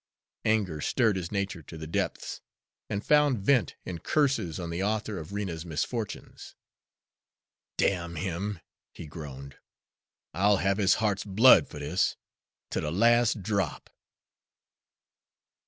Anger stirred his nature to the depths, and found vent in curses on the author of Rena's misfortunes. "Damn him!" he groaned. "I'll have his heart's blood fer dis, ter de las' drop!"